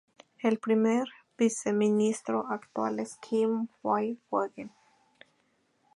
El primer viceministro actual es Kim Kye-gwan.